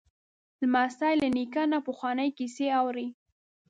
لمسی له نیکه نه پخوانۍ کیسې اوري.